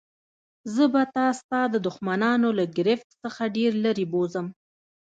زه به تا ستا د دښمنانو له ګرفت څخه ډېر لیري بوزم.